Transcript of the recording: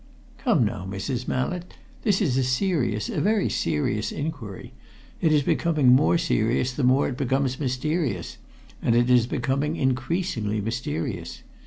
"Come, now, Mrs. Mallett! This is a serious, a very serious inquiry. It is becoming more serious the more it becomes mysterious, and it is becoming increasingly mysterious.